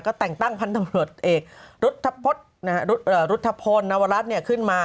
ก็แต่งตั้งพันธ์ตำรวจเอกรุธพลนวรัฐขึ้นมา